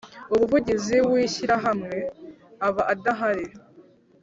umuvugizi w ‘Ishyirahamwe aba adahari.